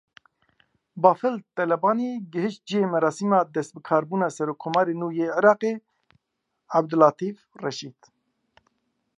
Bafel Talebanî gihîşt cihê merasima destbikarbûna serokkomarê nû yê Iraqê Ebdulletîf Reşîd.